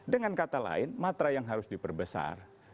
dengan kata lain matra yang harus diperbesar